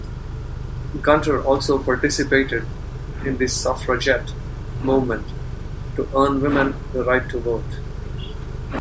Gunter also participated in the Suffragette movement to earn women the right to vote.